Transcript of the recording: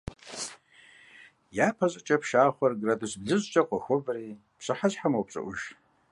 Япэщӏыкӏэ пшахъуэр градус блыщӏкӏэ къохуабэри, пщыхьэщхьэм мэупщӏыӏуж.